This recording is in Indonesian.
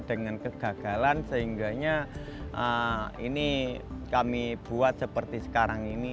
dengan kegagalan sehingga ini kami buat seperti sekarang ini